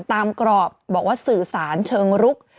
กรอบบอกว่าสื่อสารเชิงรุก